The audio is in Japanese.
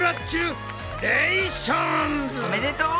おめでとう！